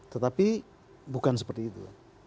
tetapi bukan seperti itu